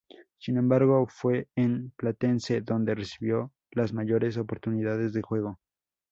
Sin embargo, fue en Platense donde recibió las mayores oportunidades de juego.